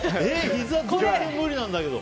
ひざ、全然無理なんだけど。